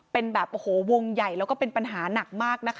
เป็นแบบโอ้โหวงใหญ่แล้วก็เป็นปัญหาหนักมากนะคะ